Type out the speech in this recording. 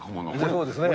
そうですね。